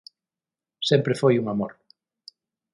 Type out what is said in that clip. Sempre foi un amor.